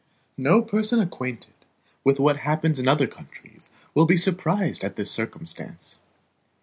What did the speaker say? No person acquainted with what happens in other countries will be surprised at this circumstance.